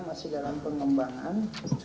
masih dalam pengembangan